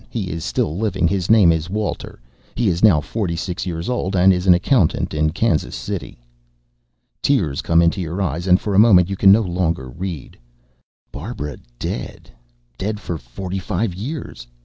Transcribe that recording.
He is still living; his name is Walter; he is now forty six years old and is an accountant in Kansas City." Tears come into your eyes and for a moment you can no longer read. Barbara dead dead for forty five years.